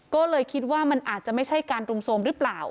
ก็เลยคิดว่ามันอาจจะไม่ใช่การรุมโทรมหรือเปล่า